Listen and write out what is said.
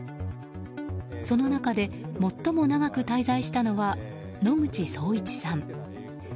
その中で最も長く滞在したのは野口聡一さん。